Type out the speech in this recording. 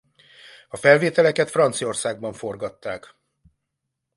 A felvételeket Franciaországban forgatták.